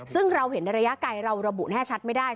ซึ่งเราเห็นในระยะไกลเราระบุแน่ชัดไม่ได้